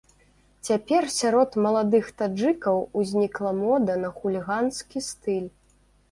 Цяпер сярод маладых таджыкаў узнікла мода на хуліганскі стыль.